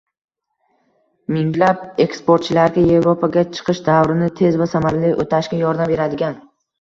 Minglab eksportchilarga Yevropaga chiqish davrini tez va samarali o‘tashga yordam beradigan